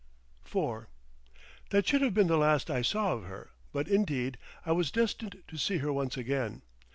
IV That should have been the last I saw of her, but, indeed, I was destined to see her once again.